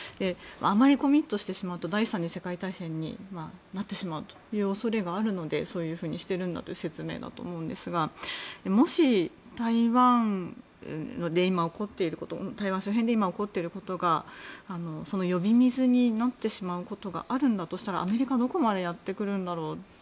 あまりコミットしてしまうと第３次世界大戦になってしまうという恐れがあるのでそういうふうにしているんだという説明だと思うんですがもし、台湾周辺で今、起こっていることがその呼び水になってしまうことがあるんだとしたらアメリカはどこまでやってくるんだろう。